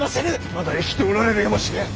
まだ生きておられるやもしれん。